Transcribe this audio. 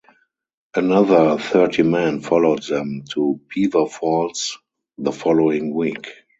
Another thirty men followed them to Beaver Falls the following week.